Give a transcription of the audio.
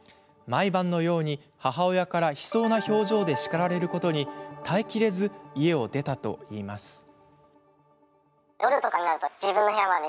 毎晩のように母親から悲壮な表情で叱られることに耐え切れず家を出たといいます。